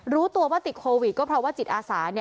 รู้ตัวว่าติดโควิดก็เพราะว่าจิตอาสา